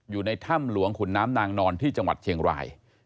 อยู่ในถ้ำหลวงขุนน้ำนางนอนที่จังหวัดเชียงราย